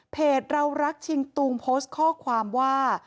เรารักชิงตูงโพสต์ข้อความว่า